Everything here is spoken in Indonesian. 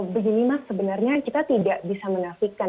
begini mas sebenarnya kita tidak bisa menafikan